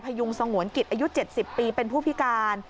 พยุงสงวนกิจอายุ๗๐ปีเป็นผู้พิการ